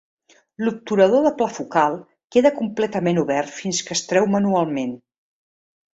L'obturador de pla focal queda completament obert fins que es treu manualment.